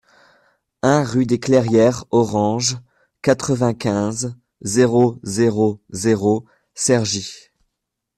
un rue des Clairières Orange, quatre-vingt-quinze, zéro zéro zéro, Cergy